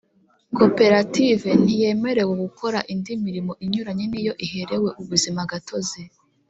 Koperative ntiyemerewe gukora indi mirimo inyuranye n’iyo iherewe ubuzimagatozi